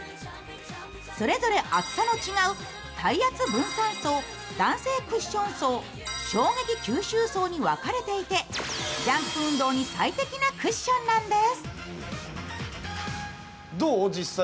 それぞれ厚さの違う体圧分散層、弾性クッション層衝撃吸収層に分かれていてジャンプ運動に最適なクッションなんです。